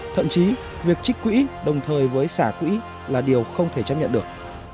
thậm chí việc trích quỹ đồng thời với xả quỹ là điều không thể chấp nhận được